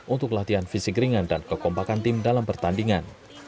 untuk latihan fisik ringan dan kekompakan tim dalam pertandingan